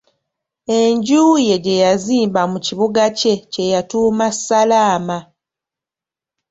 Enju ye gye yazimba mu kibuga kye, kye yatuuma Salaama.